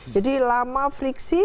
jadi lama fliksi